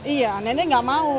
iya nenek gak mau